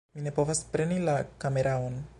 Mi ne povas preni la kameraon